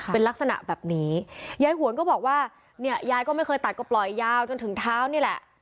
เป็นลักษณะแบบนี้ยายหวนก็บอกว่าเนี่ยยายก็ไม่เคยตัดก็ปล่อยยาวจนถึงเท้านี่แหละ